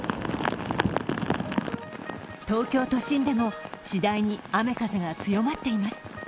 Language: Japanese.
東京都心でも次第に雨風が強まっています。